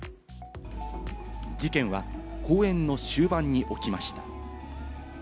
事件は公演の終盤に起きました。